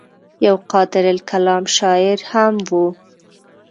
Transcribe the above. يو قادرالکلام شاعر هم وو